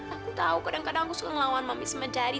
aku tahu kadang kadang aku suka ngelawan mami semedari